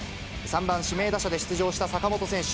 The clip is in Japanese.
３番指名打者で出場した坂本選手。